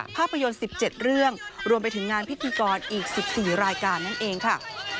ภาพยนตร์๑๗เรื่องรวมไปถึงงานพิธีกรอีก๑๔รายการนั่นเองค่ะ